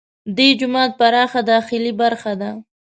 دې جومات پراخه داخلي برخه ده.